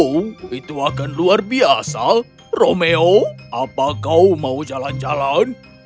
oh itu akan luar biasa romeo apa kau mau jalan jalan